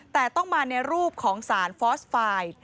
แต่ต้องมาในรูปของสารฟอสไฟล์